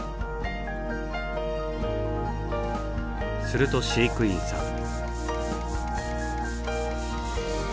すると飼育員さん。